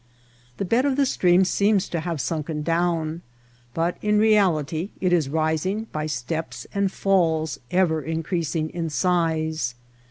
The bed of the stream seems to have sunken down, but in reality it is rising by steps and falls ever increasing in size.